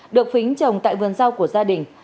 được phính trồng tại vườn rau của gia đình